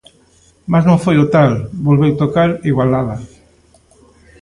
Mais non foi o tal, volveu tocar igualada.